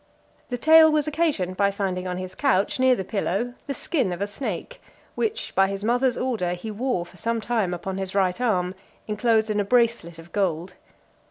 The tale was occasioned by finding on his couch, near the pillow, the skin of a snake, which, by his mother's order, he wore for some time upon his right arm, inclosed in a bracelet of gold.